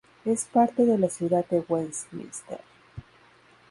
Es parte de la Ciudad de Westminster.